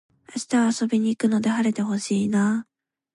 明日は遊びに行くので晴れて欲しいなあ